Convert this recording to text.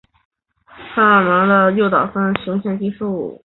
富含女性荷尔蒙诱导素和植物性雌激素。